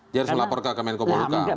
dia harus melaporkan ke menko polhukam